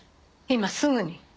今すぐに。